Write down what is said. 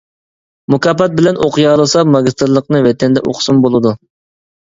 مۇكاپات بىلەن ئوقۇيالىسا ماگىستىرلىقنى ۋەتەندە ئوقۇسىمۇ بولىدۇ.